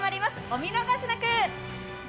お見逃しなく！